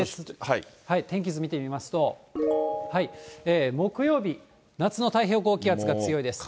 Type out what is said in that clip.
天気図見てみますと、木曜日、夏の太平洋高気圧が強いです。